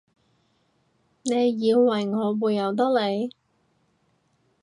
你以為我會由得你？